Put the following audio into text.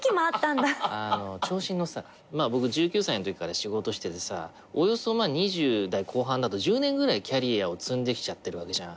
僕１９歳のときから仕事してておよそまあ２０代後半だと１０年ぐらいキャリアを積んできちゃってるわけじゃん。